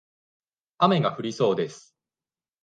雨が降りそうです。